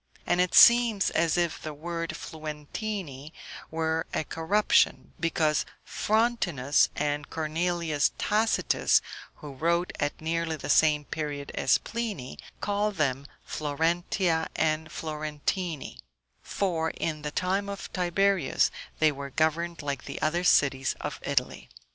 And it seems as if the word Fluentini were a corruption, because Frontinus and Cornelius Tacitus, who wrote at nearly the same period as Pliny, call them Florentia and Florentini; for, in the time of Tiberius, they were governed like the other cities of Italy.